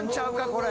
これ。